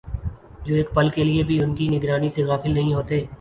جو ایک پل کے لیے بھی ان کی نگرانی سے غافل نہیں ہوتے